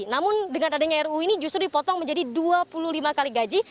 namun dengan adanya ruu ini justru dipotong menjadi dua puluh lima kali gaji